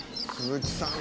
鈴木さん。